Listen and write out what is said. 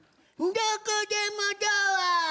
どこでもドア！